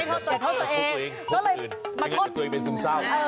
ไม่โทษตัวเองโทษตัวเองไม่งั้นเป็นซึมเศร้า